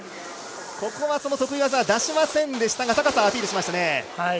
得意技は出しませんでしたが高さをアピールしました。